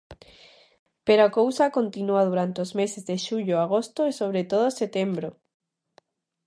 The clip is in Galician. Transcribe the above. Pero a cousa continúa durante os meses de xullo agosto, e sobre todo setembro.